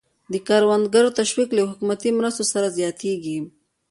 د کروندګرو تشویق له حکومتي مرستو سره زیاتېږي.